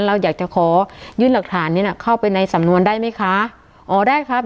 เราอยากจะขอยื่นหลักฐานนี้น่ะเข้าไปในสำนวนได้ไหมคะอ๋อได้ครับ